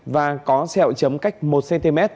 và có xeo chấm cách một cm